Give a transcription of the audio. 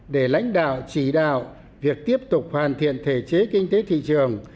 để lãnh đạo chỉ đạo việc tiếp tục hoàn thiện thể chế kinh tế thị trường